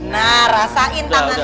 nah rasain tangannya